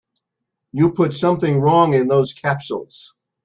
You put something wrong in those capsules.